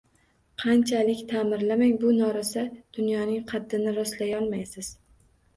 Qanchalik ta’mirlamang, bu noraso dunyoning qaddini rostlayolmaysiz.